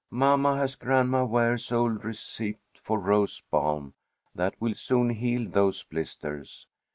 "Mamma has Grandma Ware's old receipt for rose balm, that will soon heal those blisters.